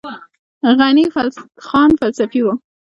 غني خان فلسفي و